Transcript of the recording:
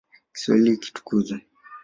Kiswahili kitukuzwe.